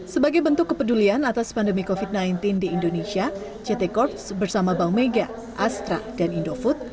sebagai bentuk kepedulian atas pandemi covid sembilan belas di indonesia ct corps bersama bank mega astra dan indofood